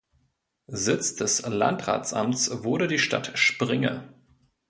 Sitz des Landratsamts wurde die Stadt Springe.